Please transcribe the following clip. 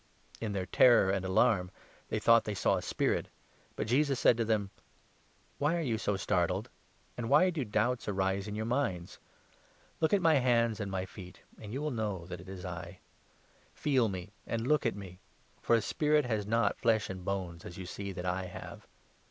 "] In their terror and alarm 37 they thought they saw a spirit, but Jesus said to them : 38 " Why are you so startled ? and why do doubts arise in your minds ? Look at my hands and my feet, and you will 39 know that it is I. Feel me, and look at me, for a spirit has not flesh and bones, as you see that I have."